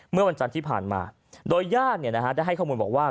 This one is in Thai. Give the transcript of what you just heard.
เมื่อวันจันทร์ที่ผ่านมาโดยย่านเนี่ยนะฮะได้ให้ข้อมูลบอกว่า